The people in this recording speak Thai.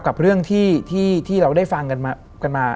กับเรื่องที่เราได้ฟังกันมา